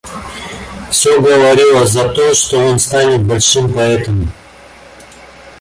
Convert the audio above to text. Всё говорило за то, что он станет большим поэтом.